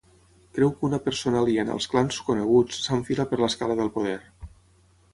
Creu que una persona aliena als clans coneguts s'enfila per l'escala del poder.